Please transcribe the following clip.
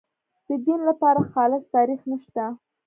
د دین لپاره خالص تاریخ نشته.